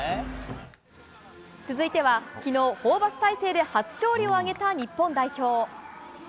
続いては、昨日ホーバス体制で初勝利を挙げた日本代表。